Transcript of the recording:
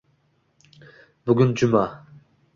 Bugun Juma.